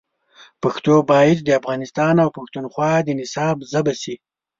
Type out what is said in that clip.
پښتو باید د افغانستان او پښتونخوا د نصاب ژبه شي.